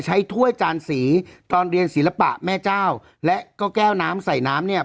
ถ้วยจานสีตอนเรียนศิลปะแม่เจ้าและก็แก้วน้ำใส่น้ำเนี่ย